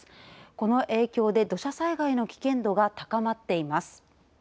この影響で土砂災害の危険度が高まっています。